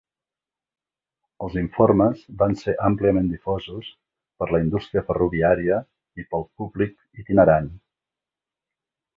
Els informes van ser àmpliament difosos per la indústria ferroviària i pel públic itinerant.